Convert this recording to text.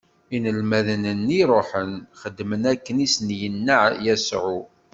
Inelmaden-nni ṛuḥen, xedmen akken i sen-inna Yasuɛ.